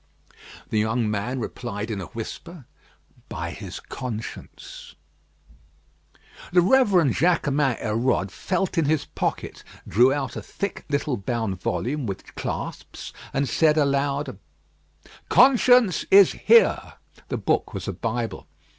The young man replied in a whisper, "By his conscience." The Reverend Jaquemin Hérode felt in his pocket, drew out a thick little bound volume with clasps, and said aloud: "Conscience is here." The book was a Bible.